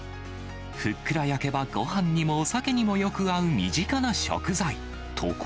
ふっくら焼けば、ごはんにもお酒にもよく合う身近な食材。